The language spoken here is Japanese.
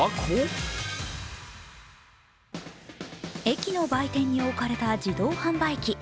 駅の売店に置かれた自動販売機。